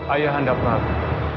ayah anda prabu